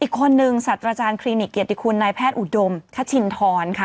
อีกคนนึงสัตว์อาจารย์คลินิกเกียรติคุณนายแพทย์อุดมคชินทรค่ะ